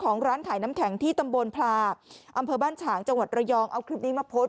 ก็นั่นไงใครขนลุกแล้วเนี่ย